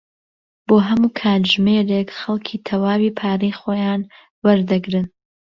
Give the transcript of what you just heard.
بۆ هەموو کاتژمێرێک خەڵکی تەواوی پارەی خۆیان وەردەگرن.